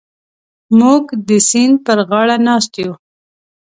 موږ د سیند پر غاړه ناست یو.